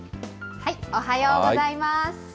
おはようございます。